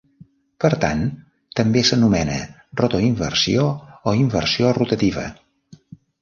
Per tant, també s'anomena rotoinversió o inversió rotativa.